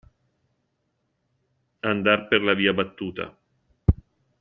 Andar per la via battuta.